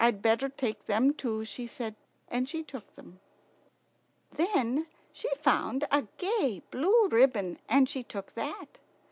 ] "Perhaps I'd better take them too," she said; and she took them. Then she found a gay blue ribbon, and she took that.